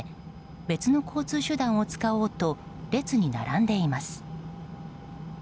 別の交通手段を使おうと列に並んでいます。